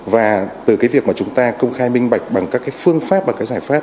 và từ cái việc mà chúng ta công khai minh bạch bằng các cái phương pháp và cái giải pháp